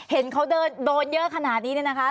เห็นเขาโดนเยอะขนาดนี้เนี่ยนะคะ